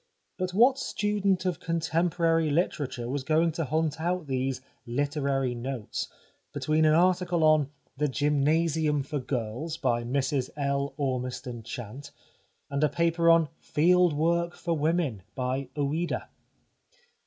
But what student of contemporary literature was going to hunt out these " literary notes " between an article on " The Gymnasium for Girls," by Mrs L. Ormiston Chant, and a paper on " Field Work for Women," by Ouida.